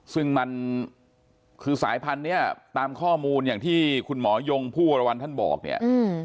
ซึ่งมันคือสายพันธุ์เนี้ยตามข้อมูลอย่างที่คุณหมอยงผู้วรวรรณท่านบอกเนี่ยอืม